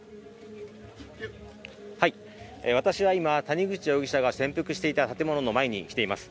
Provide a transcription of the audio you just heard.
私は今、谷口容疑者が潜伏していた建物の前に来ています。